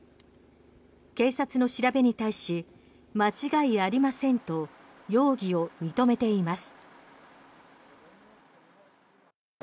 警察の調べに対し間違いありませんと容疑を認めています。